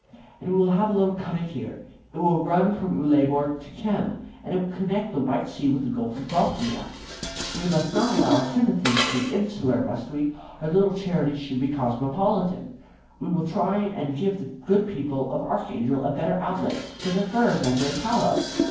"And we will have a little cutting here. It will run from Uleaborg to Kem, and will connect the White Sea with the Gulf of Bothnia. We must not allow our sympathies to be insular, must we? Our little charities should be cosmopolitan. We will try and give the good people of Archangel a better outlet for their furs and their tallow."